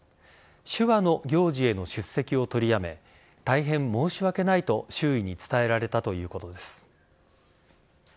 手話の行事への出席を取りやめ大変申し訳ないと周囲に伝えられたということです。